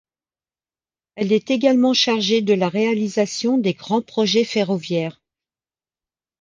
Elle est également chargée de la réalisation des grands projets ferroviaires.